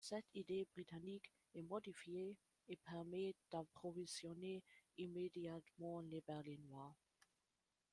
Cette idée britannique est modifiée et permet d’approvisionner immédiatement les Berlinois.